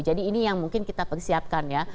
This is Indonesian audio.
jadi ini yang mungkin kita persiapkan ya